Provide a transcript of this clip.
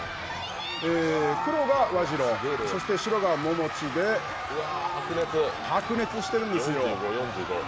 黒が和白、そして白が百道で白熱してるんですよ。